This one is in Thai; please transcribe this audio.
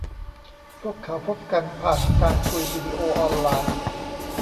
พวกเขาพบกันผ่านการคุยวีดีโอออนไลน์